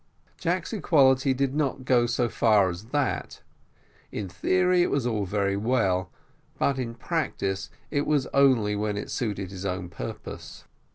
Jack's equality did not go so far as that; in theory it was all very well, but in practice it was only when it suited his own purpose.